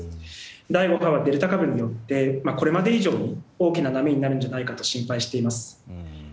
第５波はデルタ株によってこれまで以上に大きな波になるのではと心配しています。